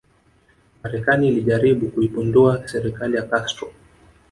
Marekani ilijaribu kuipindua serikali ya Castro